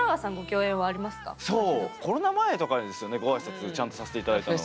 コロナ前とかですよねご挨拶ちゃんとさせて頂いたの。